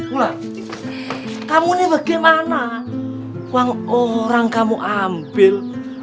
ulah kamu ini bagaimana uang orang kamu ambil